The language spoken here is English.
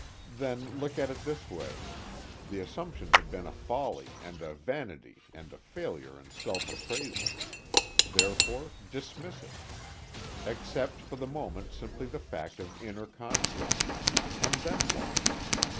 Then look at it this way: the assumption had been a folly and a vanity and a failure in self appraisal; therefore dismiss it. Accept for the moment simply the fact of inner conflict; and then what?